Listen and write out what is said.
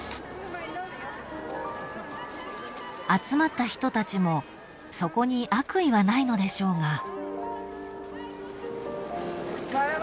［集まった人たちもそこに悪意はないのでしょうが］